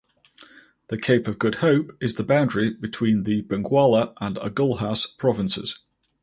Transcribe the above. The Cape of Good Hope is the boundary between the Benguela and Agulhas provinces.